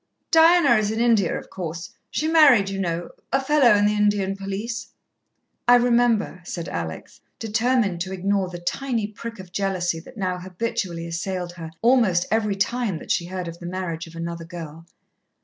"Diana is in India, of course. She married, you know a fellow in the Indian Police." "I remember," said Alex, determined to ignore the tiny prick of jealousy that now habitually assailed her almost every time that she heard of the marriage of another girl.